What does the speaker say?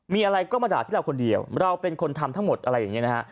มีอะไรก็มาด่าที่เราคนเดียวเราเป็นคนทำทั้งหมดอะไรอย่างนี้นะฮะ